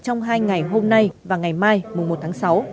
trong hai ngày hôm nay và ngày mai một tháng sáu